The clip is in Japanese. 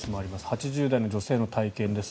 ８０代の女性の体験です。